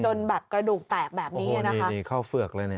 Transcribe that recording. โดนแบบกระดูกแตกแบบนี้เนี้ยนะคะโอ้โหนี่นี่เข้าเฟือกเลยเนี้ย